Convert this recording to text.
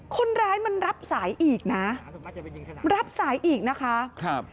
คนร้ายมันรับสายอีกนะรับสายอีกนะคะครับ